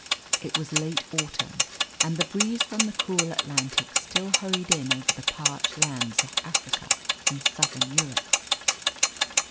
It was late autumn, and the breeze from the cool Atlantic still hurried in over the parched lands of Africa and Southern Europe.